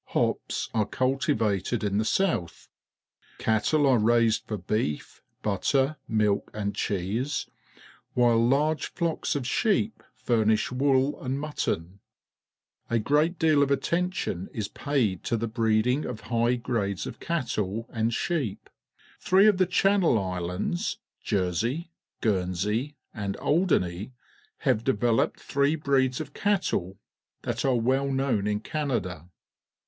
Hops are cultivated in the south. Cattle are raised for beef, butter, milk, and cheese, while large flocks of sheep furnish wool and mutton. A 168 PUBLIC SCHOOL GEOGRAPHY great deal of attention is paid to the breeding of liigh grades of cattle and sheep. Three of the Channel Islands — Jersey, Guernsey, and Alderney — have developed three breeds of cattle that are well known in Canada.